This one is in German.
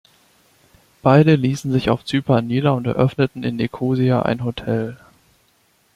Beide ließen sich auf Zypern nieder und eröffneten in Nikosia ein Hotel.